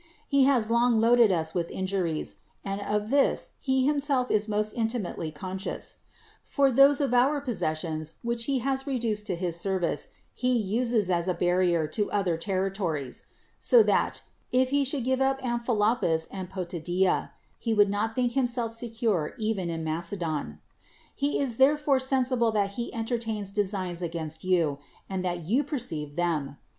He has long loaded us with injuries; and of this he himself is most intimately conscious; for those of our possessions which he has reduced to his service he uses as a barrier to his other territories: so that, if he should give up Amphipolis and Poti daja, he would not think himself secure even in Macedon. lie is therefore sensible that he enter tains designs against you, and that you perceive them.